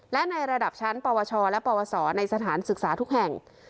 และในระดับชั้นปวชและปวสในสถานศึกษาทุกแห่ง